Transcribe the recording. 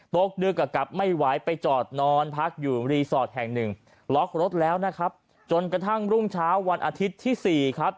ตกดึกก็กลับไม่ไหวไปจอดนอนพักอยู่รีสอร์ทแห่งหนึ่งล็อกรถแล้วนะครับจนกระทั่งรุ่งเช้าวันอาทิตย์ที่สี่ครับ